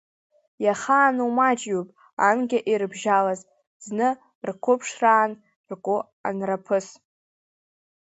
Иахаану маҷҩуп анкьа ирыбжьалаз, зны, рқәыԥшраан ргәы анраԥыс.